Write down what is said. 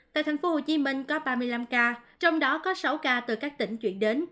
tại thành phố hồ chí minh có ba mươi năm ca trong đó có sáu ca từ các tỉnh chuyển đến